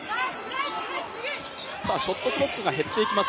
ショットクロックが減っていきます